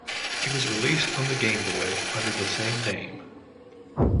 It was released on the Game Boy under the same name.